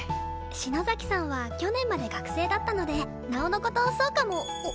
篠崎さんは去年まで学生だったのでなおのことそうかも。